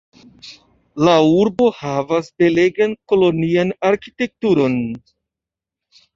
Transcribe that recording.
La urbo havas belegan kolonian arkitekturon.